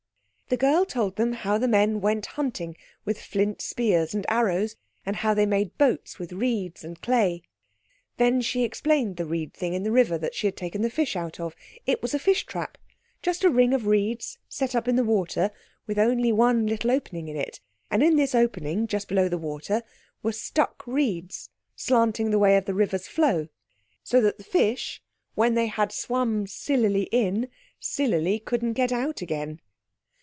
The girl told them how the men went hunting with flint spears and arrows, and how they made boats with reeds and clay. Then she explained the reed thing in the river that she had taken the fish out of. It was a fish trap—just a ring of reeds set up in the water with only one little opening in it, and in this opening, just below the water, were stuck reeds slanting the way of the river's flow, so that the fish, when they had swum sillily in, sillily couldn't get out again.